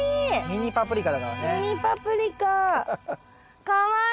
ミニパプリカかわいい！